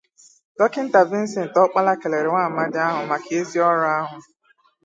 Dọkịta Vincent Okpala kèlèrè nwa amadi ahụ maka ezi ọrụ ahụ